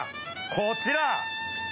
こちら！